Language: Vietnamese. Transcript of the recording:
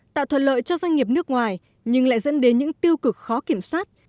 tạo thuận lợi cho doanh nghiệp nước ngoài nhưng lại dẫn đến những tiêu cực khó kiểm soát